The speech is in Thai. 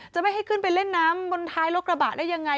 จะไม่ให้ขึ้นไปเล่นน้ำบนท้ายรถกระบะได้ยังไง